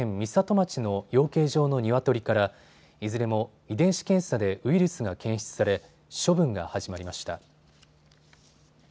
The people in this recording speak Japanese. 町の養鶏場のニワトリからいずれも遺伝子検査でウイルスが検出され処分が始まりました。